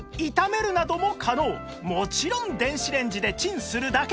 もちろん電子レンジでチンするだけ